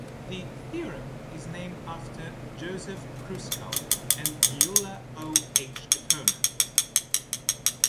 The theorem is named after Joseph Kruskal and Gyula O. H. Katona.